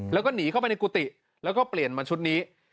แล้วก็หนีเข้าไปในกุฏิแล้วก็เปลี่ยนมาชุดนี้